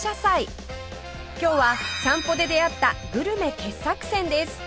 今日は散歩で出会ったグルメ傑作選です